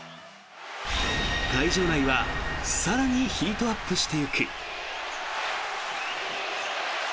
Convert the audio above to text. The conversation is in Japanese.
会場内は更にヒートアップしていく。